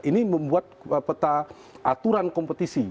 ini membuat peta aturan kompetisi